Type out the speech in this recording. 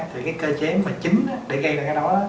thì cái cơ chế mà chính để gây ra cái đó